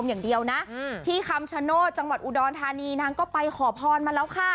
อย่างเดียวนะที่คำชโนธจังหวัดอุดรธานีนางก็ไปขอพรมาแล้วค่ะ